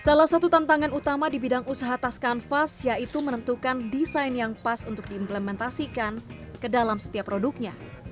salah satu tantangan utama di bidang usaha tas kanvas yaitu menentukan desain yang pas untuk diimplementasikan ke dalam setiap produknya